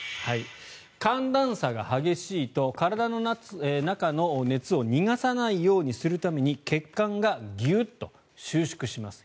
寒暖差が激しいと体の中の熱を逃がさないようにするために血管がギュッと収縮します。